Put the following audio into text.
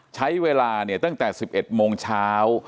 ใช้เวลาตั้งแต่๑๑โมงเช้า